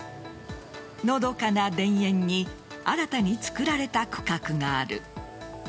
のどかな田園に新たに作られた区画がある。